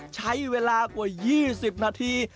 ใช้เวลากว่า๒๐นาที